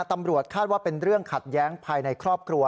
ตำรวจคาดว่าเป็นเรื่องขัดแย้งภายในครอบครัว